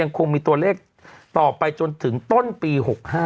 คงมีตัวเลขต่อไปจนถึงต้นปี๖๕